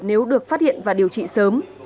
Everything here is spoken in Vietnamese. nếu được phát hiện và điều trị sớm